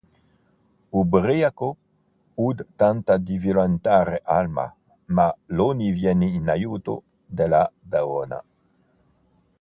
Ubriaco, Hud tenta di violentare Alma, ma Lonnie viene in aiuto della donna.